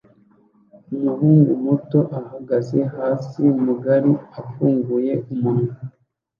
Umuhungu muto ahagaze hasi mugari afunguye umunwa